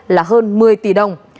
là hơn một mươi tỷ đồng